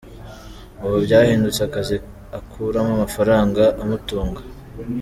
Ubu, byahindutse akazi akuramo amafaranga amutunga.